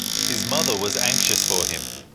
His mother was anxious for him.